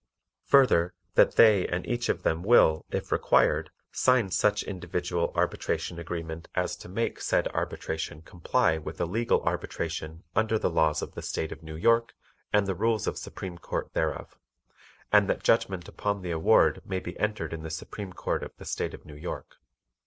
Further, that they and each of them will, if required, sign such individual arbitration agreement as to make said arbitration comply with a legal arbitration under the laws of the State of New York, and the rules of Supreme Court thereof, and that judgment upon the award may be entered in the Supreme Court of the State of New York.